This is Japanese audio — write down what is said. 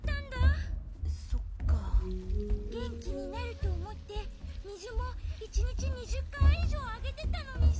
げんきになるとおもってみずもいちにち２０かいいじょうあげてたのにさ。